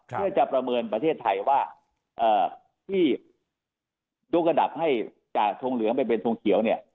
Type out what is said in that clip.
เพื่อจะประเมินประเทศไทยว่าที่ยกระดับให้จากทงเหลืองไปเป็นทรงเขียวเนี่ย